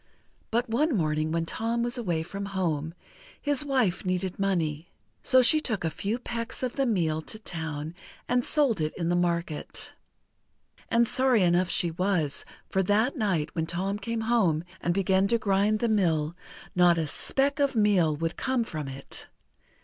But one morning when Tom was away from home, his wife needed money. So she took a few pecks of the meal to town and sold it in the market. And sorry enough she was, for that night, when Tom came home and began to grind the mill, not a speck of meal would come from it!